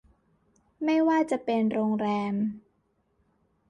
ไม่ว่าจะเป็นโรงแรม